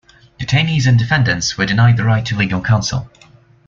Detainees and defendants were denied the right to legal counsel.